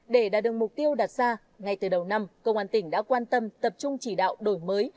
để đạt được mục tiêu đặt ra ngay từ đầu năm công an tỉnh đã quan tâm tập trung chỉ đạo đổi mới